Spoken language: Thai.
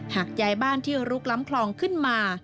หากย้ายบ้านที่ลุกล้ำคลองขึ้นมา